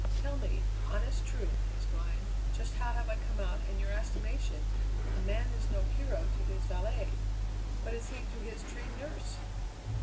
Tell me, honest true, Miss Glynn, just how have I come out in your estimation? A man is no hero to his valet. What is he to his trained nurse?"